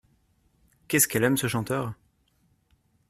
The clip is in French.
Qu'est-ce qu'elle aime ce chanteur !